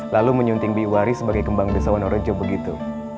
lalu menyunting biuari sebagai kembang desa warna rojo begitu